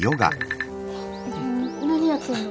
何やってんの？